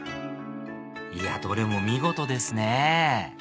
いやどれも見事ですね